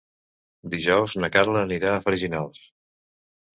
Dijous na Carla anirà a Freginals.